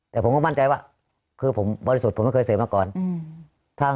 แต่ผมก็มั่นใจว่าคือผมบริสุทธิ์ผมไม่เคยเสพมาก่อน